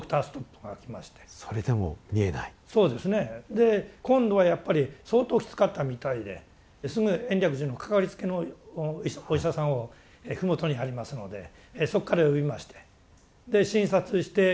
で今度はやっぱり相当きつかったみたいですぐ延暦寺のかかりつけのお医者さんを麓にありますのでそこから呼びましてで診察して血液を採る。